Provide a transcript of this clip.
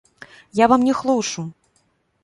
Я вам не хлушу!